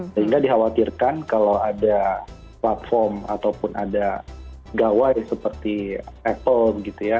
sehingga dikhawatirkan kalau ada platform ataupun ada gawai seperti apple gitu ya